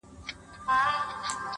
• د قلمونو کتابونو کیسې,